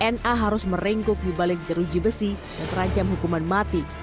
na harus meringkuk di balik jeruji besi dan terancam hukuman mati